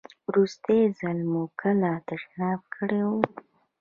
وروستی ځل مو کله تشناب کړی و؟